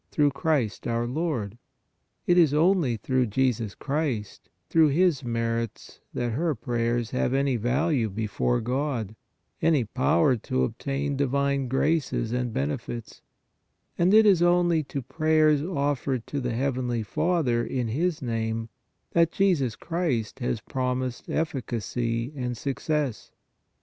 Through Christ our Lord." It is only through Jesus Christ, through His merits that her prayers have any value before God, any power to obtain divine graces and benefits, and it is only to prayers offered to the heavenly Father in His name, that Jesus Christ has promised efficacy and success.